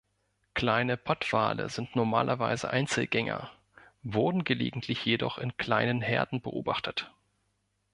Kleine Pottwale sind normalerweise Einzelgänger, wurden gelegentlich jedoch in kleinen Herden beobachtet.